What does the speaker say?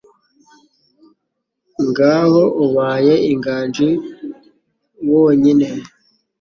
Ngaho ubaye inganji wonyine,